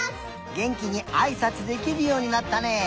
げんきにあいさつできるようになったね！